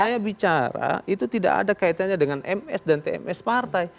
saya bicara itu tidak ada kaitannya dengan ms dan tms partai